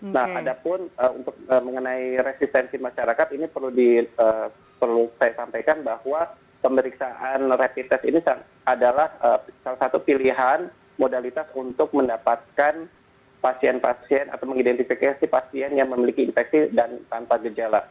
nah ada pun untuk mengenai resistensi masyarakat ini perlu saya sampaikan bahwa pemeriksaan rapid test ini adalah salah satu pilihan modalitas untuk mendapatkan pasien pasien atau mengidentifikasi pasien yang memiliki infeksi dan tanpa gejala